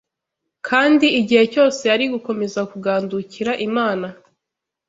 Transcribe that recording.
kandi igihe cyose yari gukomeza kugandukira Imana